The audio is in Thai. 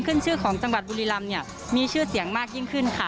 ขึ้นชื่อของจังหวัดบุรีรำเนี่ยมีชื่อเสียงมากยิ่งขึ้นค่ะ